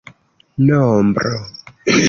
nombro